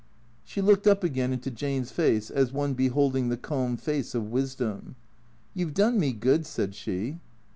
She looked up again into Jane's face as one beholding the calm face of wisdom. " You 've done me good," said she.